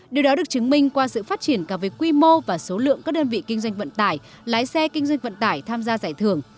điều đó được chứng minh qua sự phát triển cả về quy mô và số lượng các đơn vị kinh doanh vận tải lái xe kinh doanh vận tải tham gia giải thưởng